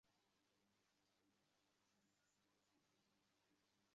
আমরা বেলুড় রামকৃষ্ণ মঠের পোস্তার নিকট নৌকা লাগাইয়াছি।